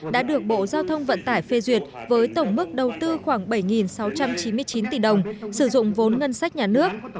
đã được bộ giao thông vận tải phê duyệt với tổng mức đầu tư khoảng bảy sáu trăm chín mươi chín tỷ đồng sử dụng vốn ngân sách nhà nước